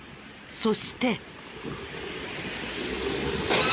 そして。